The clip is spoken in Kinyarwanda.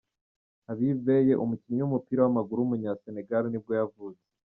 Habib Beye, umukinnyi w’umupira w’amaguru w’umunyasenegal nibwo yavutse.